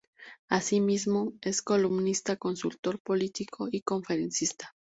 Así mismo, es columnista, consultor político y conferencista.